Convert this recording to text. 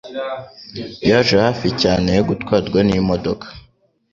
Yaje hafi cyane yo gutwarwa n'imodoka